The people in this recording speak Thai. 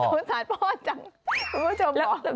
สงสารพ่อจังคุณผู้ชมบอก